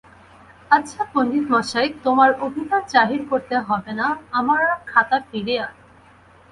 আচ্ছা পণ্ডিতমশায়, তোমার অভিধান জাহির করতে হবে না– আমার খাতা ফিরিয়ে আনো।